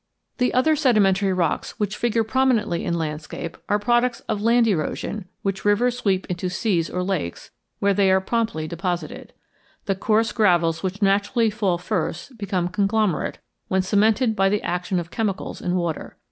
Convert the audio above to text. The other sedimentary rocks which figure prominently in landscape are products of land erosion which rivers sweep into seas or lakes, where they are promptly deposited. The coarse gravels which naturally fall first become conglomerate when cemented by the action of chemicals in water.